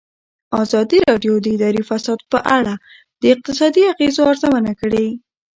ازادي راډیو د اداري فساد په اړه د اقتصادي اغېزو ارزونه کړې.